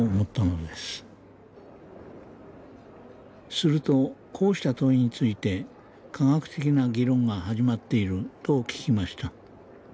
するとこうした問いについて科学的な議論が始まっていると聞きました。